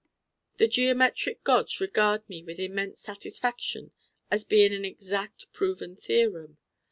The geometric gods regard me with immense satisfaction as being an exact proved theorem.